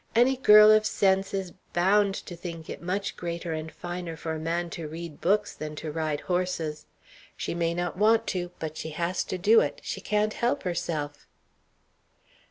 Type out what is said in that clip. Any girl of sense is bound to think it much greater and finer for a man to read books than to ride horses. She may not want to, but she has to do it; she can't help herself!"